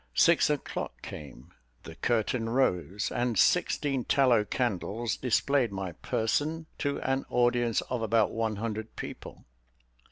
Six o'clock came, the curtain rose, and sixteen tallow candles displayed my person to an audience of about one hundred people.